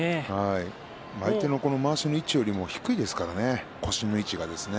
相手のまわしの位置よりも低いですからね腰の位置がですね。